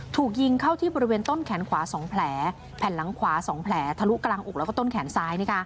ถูกยิงเข้าที่บริเวณต้นแขนขวา๒แผลแผ่นหลังขวา๒แผลทะลุกลางอกแล้วก็ต้นแขนซ้าย